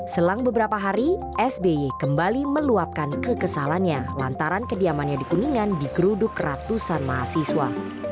selang beberapa hari sby kembali meluapkan kekesalannya lantaran kediamannya di kuningan digeruduk ratusan mahasiswa